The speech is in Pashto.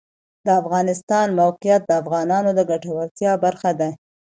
د افغانستان د موقعیت د افغانانو د ګټورتیا برخه ده.